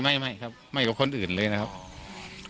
ไม่ครับไม่กับคนอื่นนะครับ